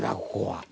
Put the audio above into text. ここは。